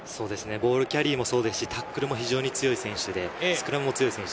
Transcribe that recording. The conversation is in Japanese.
ボールキャリーもそうですし、タックルも非常に強い選手でスクラムも強い選手。